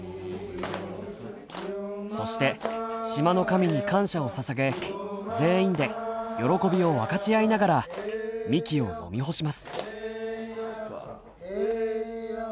そして島の神に感謝をささげ全員で喜びを分かち合いながらみきを飲み干します。